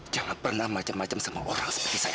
jangan pernah macam macam sama orang seperti saya